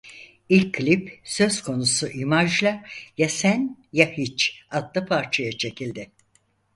İlk klip söz konusu imajla "Ya Sen Ya Hiç" adlı parçaya çekildi.